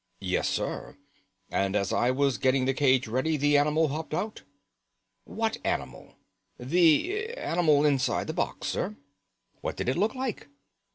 "Yes, sir; and as I was getting the cage ready the animal hopped out." "What animal?" "The animal inside the box, sir." "What did it look like?"